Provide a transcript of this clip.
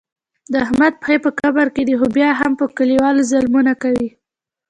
د احمد پښې په قبر کې دي خو بیا هم په کلیوالو ظلمونه کوي.